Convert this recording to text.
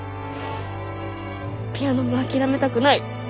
ピアノも諦めたくない。